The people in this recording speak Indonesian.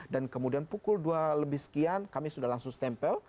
dan kemudian pukul dua lebih sekian kami sudah langsung stempel